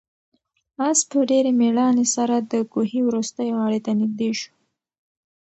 آس په ډېرې مېړانې سره د کوهي وروستۍ غاړې ته نږدې شو.